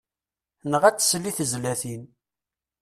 Neɣ ad tsel i tezlatin.